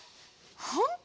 ほんと？